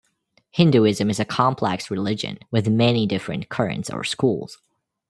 Hinduism is a complex religion with many different currents or schools.